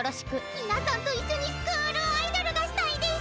ミナサンと一緒にスクールアイドルがしたいデス！